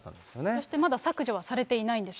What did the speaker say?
そしてまだ削除はされていないんですね。